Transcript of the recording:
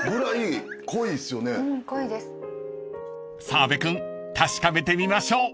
［澤部君確かめてみましょう］